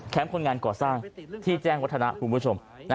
คนงานก่อสร้างที่แจ้งวัฒนะคุณผู้ชม